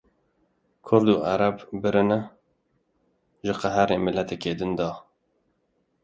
Kurd û Arab birin e. ji qehrê miltekê din de.